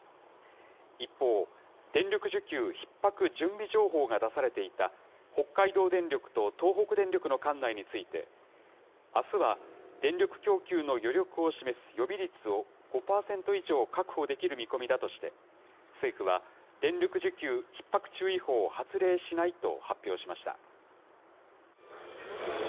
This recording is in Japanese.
一方、電力需給ひっ迫準備情報が出されていた北海道電力と東北電力の管内について、あすは電力供給の余力を示す予備率を５％以上確保できる見込みだとして、政府は電力需給ひっ迫注意報を発令しないと発表しました。